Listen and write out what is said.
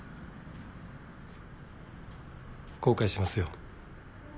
後悔しますよ。